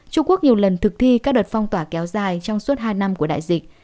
trung quốc nhiều lần thực thi các đợt phong tỏa kéo dài trong suốt hai năm của đại dịch